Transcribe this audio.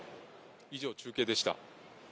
以上、中継でした。